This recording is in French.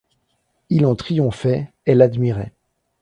Il en triomphait, et l’admirait.